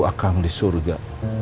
akang di surga